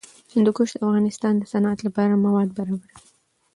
هندوکش د افغانستان د صنعت لپاره مواد برابروي.